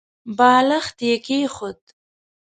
بالښت يې کېښود.